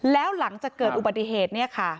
แล้วหลังจากเกิดอุบัติเหตุ